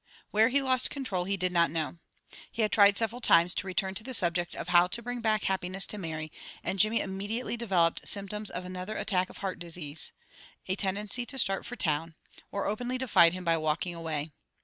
Where he lost control he did not know. He had tried several times to return to the subject of how to bring back happiness to Mary, and Jimmy immediately developed symptoms of another attack of heart disease, a tendency to start for town, or openly defied him by walking away.